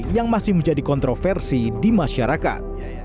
yang masih menjadi kontroversi di masyarakat